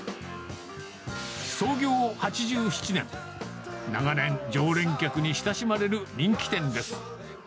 創業８７年、長年、常連客に親しまれる人気店です。